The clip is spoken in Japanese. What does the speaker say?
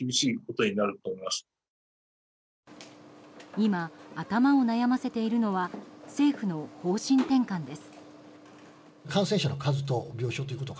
今、頭を悩ませているのは政府の方針転換です。